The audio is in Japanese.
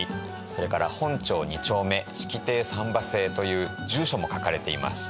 それから「本町二丁目式亭三馬製」という住所も書かれています。